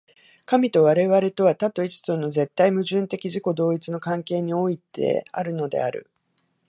神と我々とは、多と一との絶対矛盾的自己同一の関係においてあるのである。